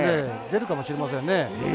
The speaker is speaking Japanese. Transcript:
出るかもしれませんね。